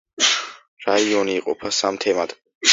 რაიონი იყოფა სამ თემად.